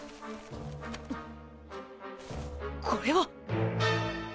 これは！